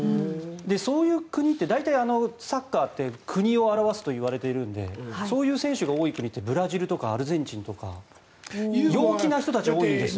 そういう国って大体サッカーって国を表すといわれているのでそういう選手が多い国ってブラジルとかアルゼンチンとか陽気な人たちが多いんですよ。